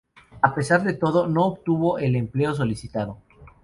A pesar de todo, no obtuvo el empleo solicitado.